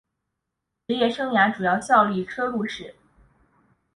职业生涯主要效力车路士。